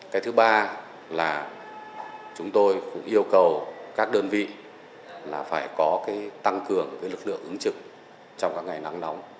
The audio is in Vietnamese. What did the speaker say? cái thứ ba là chúng tôi cũng yêu cầu các đơn vị là phải có tăng cường lực lượng ứng trực trong các ngày nắng nóng